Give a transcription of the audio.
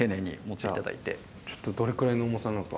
ちょっとどれくらいの重さなのか。